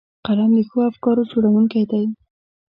قلم د ښو افکارو جوړوونکی دی